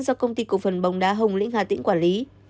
do công ty cổ phần bóng đá hồng lĩnh hà tĩnh quản lý